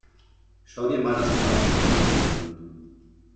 Schau dir mal das Drahtgittermodell an.